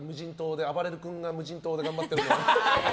あばれる君が無人島で頑張ってるの。